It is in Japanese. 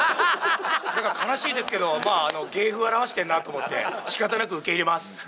だから、悲しいですけど、まあ、芸風を表してるなと思って、しかたなく受け入れます。